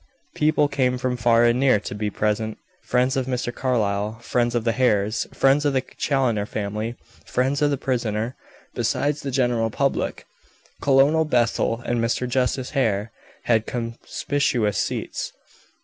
People came from far and near to be present friends of Mr. Carlyle, friends of the Hares, friends of the Challoner family, friends of the prisoner, besides the general public. Colonel Bethel and Mr. Justice Hare had conspicuous seats.